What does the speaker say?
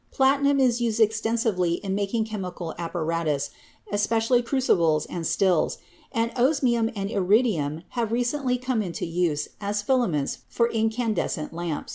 Platinum is used extensively in making chemical apparatus, especially crucibles and stills; and osmium and iridium have recently come into use as fila ments for incandescent lamps.